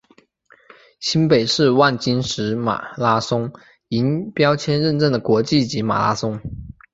新北市万金石马拉松银标签认证的国际级马拉松。